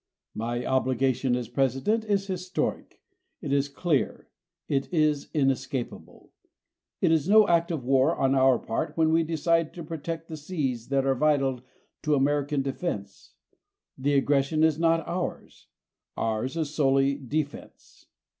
My obligation as President is historic; it is clear. It is inescapable. It is no act of war on our part when we decide to protect the seas that are vital to American defense. The aggression is not ours. Ours is solely defense.